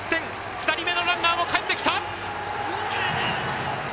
２人目のランナーもかえってきた！